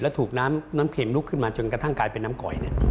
แล้วถูกน้ำเข็มลุกขึ้นมาจนกระทั่งกลายเป็นน้ำก๋อย